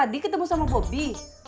tadi ketemu sama bobi